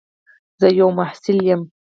زه یو محصل یم.